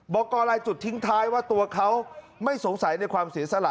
กรลายจุดทิ้งท้ายว่าตัวเขาไม่สงสัยในความเสียสละ